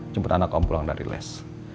jemput anak om pulang dari les